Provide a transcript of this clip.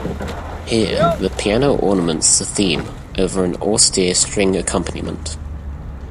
Here, the piano ornaments the theme over an austere string accompaniment.